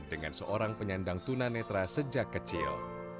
dengan seorang penyandang tunanetra sejak kecil